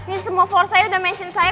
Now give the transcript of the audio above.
ini semua force saya udah mention saya